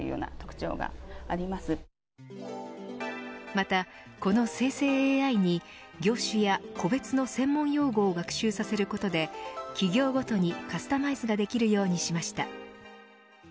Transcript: また、この生成ＡＩに業種や個別の専門用語を学習させることで企業ごとにカスタマイズができるようにしました。